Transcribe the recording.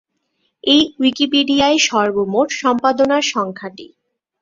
এই উইকিপিডিয়ায় সর্বমোট সম্পাদনার সংখ্যা টি।